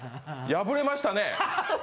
破れましたね。